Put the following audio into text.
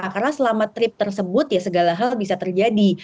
karena selama trip tersebut ya segala hal bisa terjadi